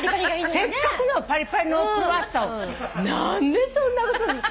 せっかくのパリパリのクロワッサンを何でそんなことする。